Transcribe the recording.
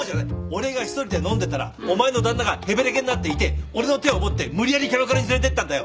俺が一人で飲んでたらお前の旦那がへべれけになっていて俺の手を持って無理やりキャバクラに連れてったんだよ。